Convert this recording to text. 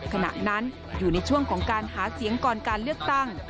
ขณะนั้นอยู่ในช่วงของการหาเสียงก่อนการเลือกตั้ง